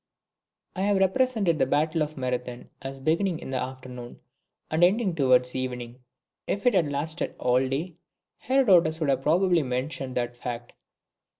I have represented the battle of Marathon as beginning in the afternoon, and ending towards evening. If it had lasted all day, Herodotus would have probably mentioned that fact.